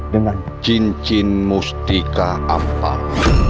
dengan cincin mustika ampal